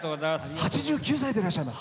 ８９歳でいらっしゃいます。